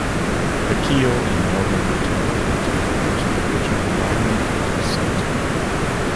The Kiel and Morgan Hotel in the town was the original Lyon County seat.